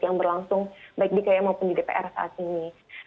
yang berlangsung baik di kaya maupun di dpr saat ini